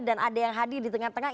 dan ada yang hadir di tengah tengah